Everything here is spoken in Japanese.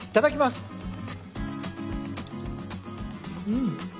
うん。